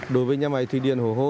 đối với nhà máy thủy điện hồ hồ